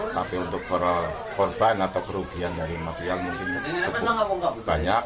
tapi untuk korban atau kerugian dari material mungkin cukup banyak